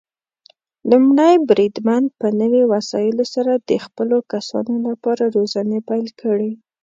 لومړی بریدمن په نوي وسايلو سره د خپلو کسانو لپاره روزنې پيل کړي.